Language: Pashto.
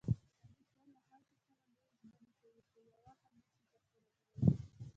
علي تل له خلکو سره لویې ژمنې کوي، خویوه هم نشي ترسره کولی.